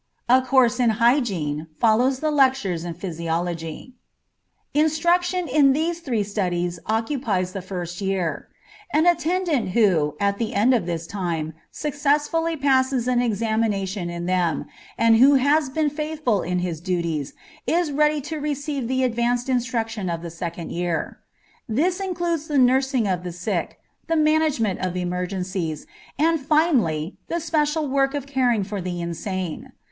A course in hygiene follows the lectures in physiology. Instruction in these three studies occupies the first year. An attendant who, at the end of this time, successfully passes an examination in them, and who has been faithful in his duties, is ready to receive the advanced instruction of the second year. This includes the nursing of the sick, the management of emergencies, and finally the special work of caring for the insane.